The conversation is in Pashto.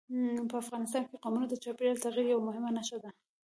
په افغانستان کې قومونه د چاپېریال د تغیر یوه مهمه نښه ده.